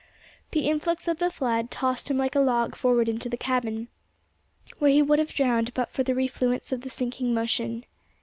The influx of the flood tossed him like a log forward into the cabin, where he would have drowned but for the refluence of the sinking motion.